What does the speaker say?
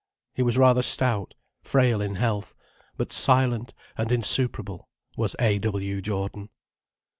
He was rather stout, frail in health, but silent and insuperable, was A. W. Jordan.